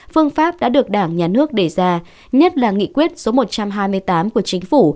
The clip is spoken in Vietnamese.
phương pháp đã được đảng nhà nước đề ra nhất là nghị quyết số một trăm hai mươi tám của chính phủ